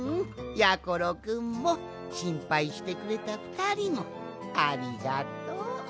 やころくんもしんぱいしてくれたふたりもありがとう。